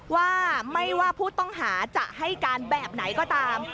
ว่าไม่ว่าผู้ต้องหาจะให้การแบบไหนก็ตาม